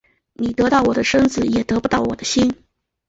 你得到我的身子也得不到我的心的